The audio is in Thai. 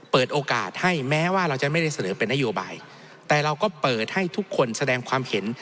เปิดโอกาสให้แม้ว่าเราจะไม่ได้เสนอเป็นนโยบายแต่เราก็เปิดให้ทุกคนแสดงความเห็น